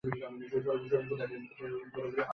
উষ্ট্রীর দুধও তাকে নিয়মিত দেয়া হল।